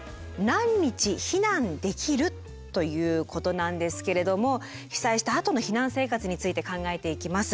ということなんですけれども被災したあとの避難生活について考えていきます。